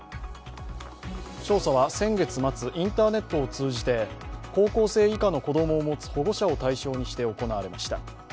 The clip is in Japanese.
調査は先月末、インターネットを通じて高校生以下の子供を持つ保護者を対象にして行われました。